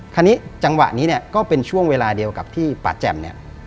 จังหวะนี้เนี่ยก็เป็นช่วงเวลาเดียวกับที่ป่าแจ่มเนี่ย